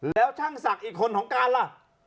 แล้วช่างศักดิ์อีกคนของการล่ะ